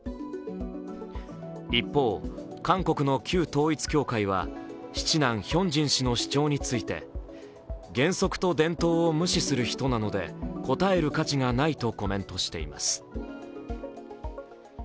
一方、韓国の旧統一教会は７男・ヒョンジン氏の主張について、原則と伝統を無視する人なので答える価値がないとコメントしています。